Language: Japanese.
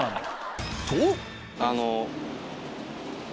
とあの。